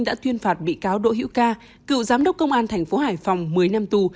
đã tuyên phạt bị cáo đỗ hữu ca cựu giám đốc công an thành phố hải phòng một mươi năm tù